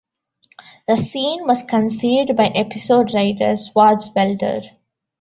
The scene was conceived by episode writer Swartzwelder.